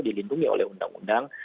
dilindungi oleh undang undang